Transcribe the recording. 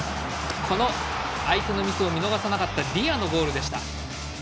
相手のミスを見逃さなかったディアのゴールでした。